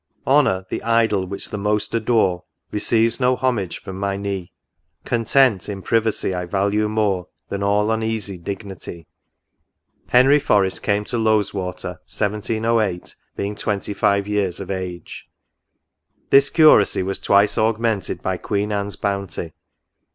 Honour, the idol which the most adore, Receives no homage from my knee ; Content in privacy I value more Than all uneasy dignity. Henry Forest came to Lowes water, 1708, being 25 years of age." " This Curacy was twice augmented by Queen Anne's bounty.